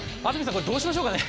これ、どうしましょうかね？